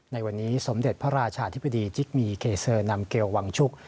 ในวันนี้สมเด็จพระราชาธิบดีจิ๊กมีเคเซอร์นำเกลวังชุก